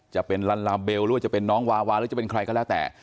จะเป็นลัลลาเบลหรือว่าจะเป็นน้องวาวาหรือจะเป็นใครก็แล้วแต่